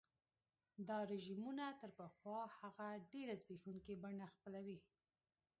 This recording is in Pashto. دا رژیمونه تر پخوا هغه ډېره زبېښونکي بڼه خپلوي.